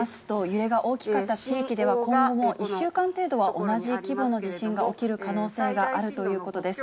揺れが大きかった地域では、今後も１週間程度は同じ規模の地震が起きる可能性があるということです。